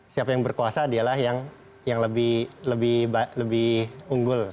siapa yang berkuasa dialah yang lebih unggul